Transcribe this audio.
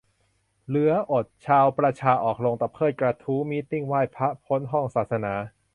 เหลืออด ! ชาวประชาออกโรงตะเพิดกระทู้มีตติ้งไหว้พระพ้นห้องศาสนา !